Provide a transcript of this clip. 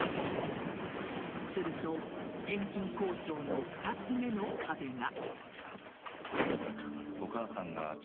すると返金交渉の２つ目の壁が。